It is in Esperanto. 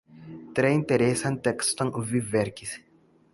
Tre interesan tekston vi verkis.